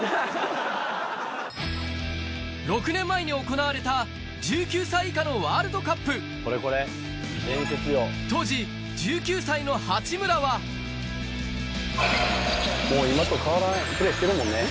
６年前に行われた１９歳以下のワールドカップもう今と変わらないプレーしてるもんね。